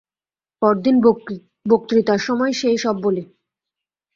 পরদিন বক্তৃতার সময় সেই-সব বলি।